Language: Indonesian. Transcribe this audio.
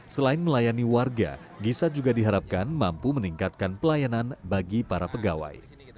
selain melayani warga gisa juga diharapkan mampu meningkatkan pelayanan bagi para pegawai